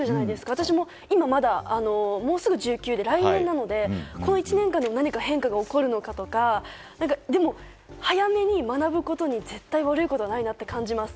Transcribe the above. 私も、もうすぐ１９で来年なので、この１年間で何か変化が起こるのかとかでも、早めに学ぶことに絶対、悪いことはないなって感じます。